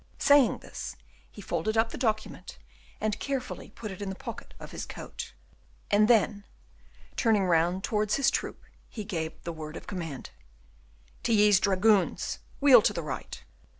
Saying this, he folded up the document, and carefully put it in the pocket of his coat. Then, turning round towards his troop, he gave the word of command, "Tilly's dragoons, wheel to the right!"